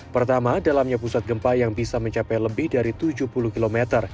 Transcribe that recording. pertama dalamnya pusat gempa yang bisa mencapai lebih dari tujuh puluh km